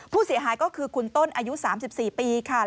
ผู้เสียหายก็คือคุณต้นอายุ๓๔ปีค่ะ